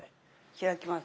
開きます。